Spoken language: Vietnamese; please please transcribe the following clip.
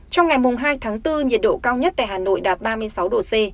trong ngày hai tháng bốn nhiệt độ cao nhất tại hà nội đạt ba mươi sáu độ c